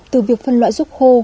từ việc phân loại ruốc khô